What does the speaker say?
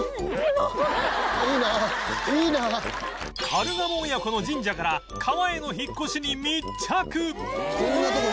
カルガモ親子の神社から川への引っ越しに密着！